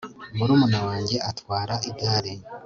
murmuna wanjye atwara igare